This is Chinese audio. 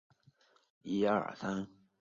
是工业上制取氰化氢的方法之一。